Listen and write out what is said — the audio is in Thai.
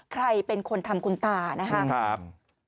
ใครเป็นคนทำคุณตานะครับ